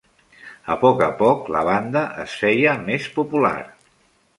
A poc a poc, la banda es feia més popular.